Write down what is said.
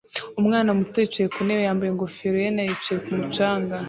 Umwana muto yicaye ku ntebe yambaye ingofero ye na yicaye kumu canga